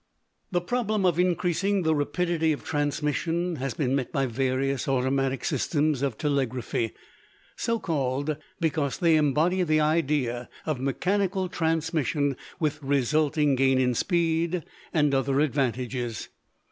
The problem of increasing the rapidity of transmission has been met by various automatic systems of telegraphy, so called because they embody the idea of mechanical transmission with resulting gain in speed and other advantages.